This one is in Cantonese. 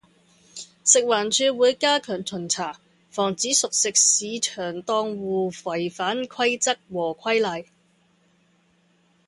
食環署會加強巡查，防止熟食市場檔戶違反規則和規例